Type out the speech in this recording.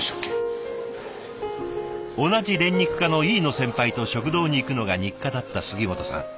同じ練肉課の飯野先輩と食堂に行くのが日課だった杉本さん。